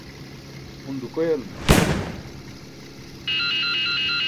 un dukoyalama?